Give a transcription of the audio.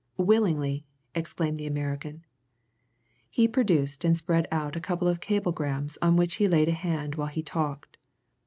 "Willingly!" exclaimed the American. He produced and spread out a couple of cablegrams on which he laid a hand while he talked.